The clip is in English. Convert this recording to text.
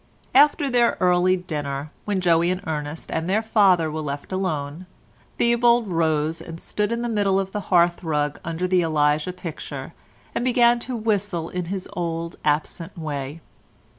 After their early dinner, when Joey and Ernest and their father were left alone, Theobald rose and stood in the middle of the hearthrug under the Elijah picture, and began to whistle in his old absent way.